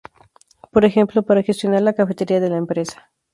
Por ejemplo, para gestionar la cafetería de la empresa.